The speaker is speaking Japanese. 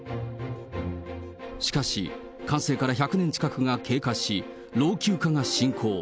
しかし、完成から１００年近くが経過し、老朽化が進行。